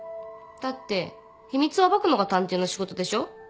だって秘密を暴くのが探偵の仕事でしょ？